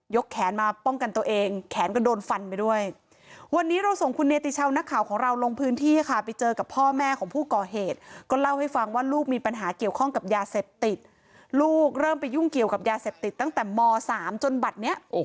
แขนมาป้องกันตัวเองแขนก็โดนฟันไปด้วยวันนี้เราส่งคุณเนติชาวนักข่าวของเราลงพื้นที่ค่ะไปเจอกับพ่อแม่ของผู้ก่อเหตุก็เล่าให้ฟังว่าลูกมีปัญหาเกี่ยวข้องกับยาเสพติดลูกเริ่มไปยุ่งเกี่ยวกับยาเสพติดตั้งแต่ม๓จนบัตรนี้